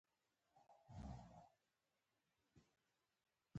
دولتي منصبونه او مقامونه یې هم وپلورل.